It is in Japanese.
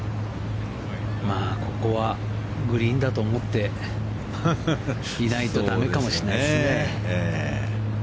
まあ、ここはグリーンだと思っていないとだめかもしれないですね。